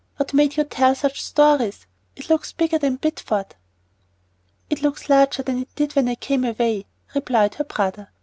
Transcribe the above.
What made you tell such stories? It looks bigger than Bideford." "It looks larger than it did when I came away," replied her brother.